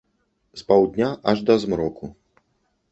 З паўдня аж да змроку.